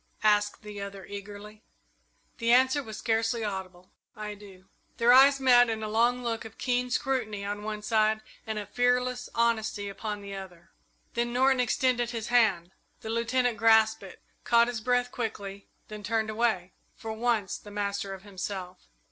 asked the other, eagerly. The answer was scarcely audible. "I do." Their eyes met in a long look of keen scrutiny on one side, and of fearless honesty upon the other. Then Norton extended his hand. The Lieutenant grasped it, caught his breath quickly, then turned away, for once the master of himself.